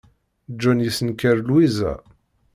John yessenker Lwiza.